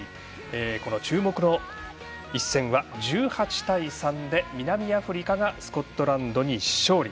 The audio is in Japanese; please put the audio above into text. この注目の一戦は１８対３で南アフリカがスコットランドに勝利。